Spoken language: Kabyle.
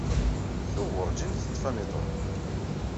Tuɣ werǧin teṭṭif amiṭru.